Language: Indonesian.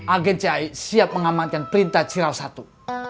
agen ci siap mengamankan perintah ciral satu